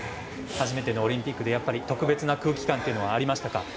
初めてのオリンピックで特別な空気感というのはありましたか？